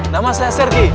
nama saya sergi